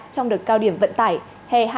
trong đợt cao điểm vận tải hè hai nghìn hai mươi bốn